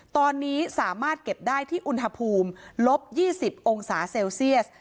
ตอนนี้สามารถเก็บได้ที่อุณหภูมิลบ๒๐องศาเซลเซียส